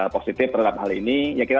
positif terhadap hal ini ya kita